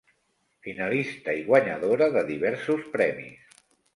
Finalista i guanyadora de diversos premis.